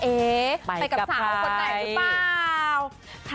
เอ๊ไปกับสาวคนไหนหรือเปล่า